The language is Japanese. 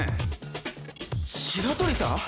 白鳥さん！？